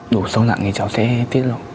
đủ sâu nặng thì cháu sẽ tiếc lộ